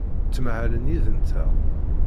Ttmahalen yid-nteɣ.